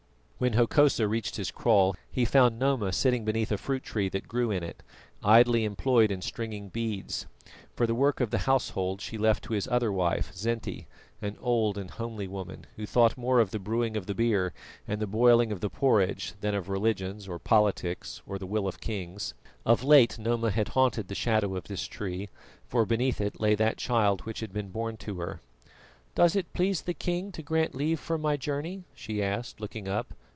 When Hokosa reached his kraal he found Noma sitting beneath a fruit tree that grew in it, idly employed in stringing beads, for the work of the household she left to his other wife, Zinti, an old and homely woman who thought more of the brewing of the beer and the boiling of the porridge than of religions or politics or of the will of kings. Of late Noma had haunted the shadow of this tree, for beneath it lay that child which had been born to her. "Does it please the king to grant leave for my journey?" she asked, looking up.